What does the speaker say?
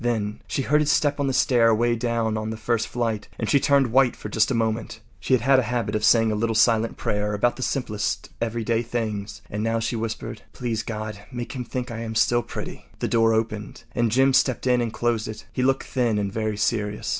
Then she heard his step on the stair away down on the first flight, and she turned white for just a moment. She had a habit of saying a little silent prayer about the simplest everyday things, and now she whispered: “Please God, make him think I am still pretty.” The door opened and Jim stepped in and closed it. He looked thin and very serious.